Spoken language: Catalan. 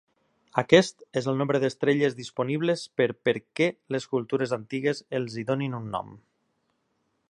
Aquest és el nombre d'estrelles disponibles per perquè les cultures antigues els hi donin un nom.